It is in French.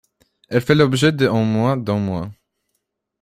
Elle fait l'objet de en moins d'un mois.